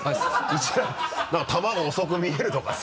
なんか球が遅く見えるとかさ。